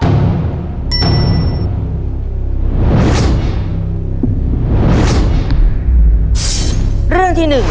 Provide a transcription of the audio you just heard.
ถ้าพร้อมแล้วมาดูโจทย์คำถามทั้งหมด๕เรื่องพร้อมกันครับ